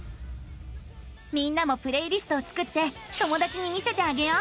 みんなもプレイリストを作って友だちに見せてあげよう。